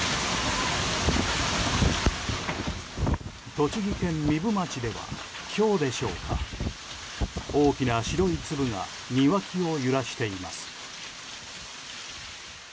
栃木県壬生町ではひょうでしょうか大きな白い粒が庭木を揺らしています。